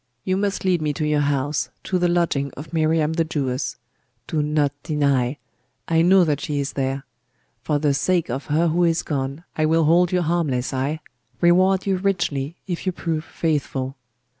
You must lead me to your house, to the lodging of Miriam the Jewess. Do not deny! I know that she is there. For the sake of her who is gone I will hold you harmless, ay, reward you richly, if you prove faithful.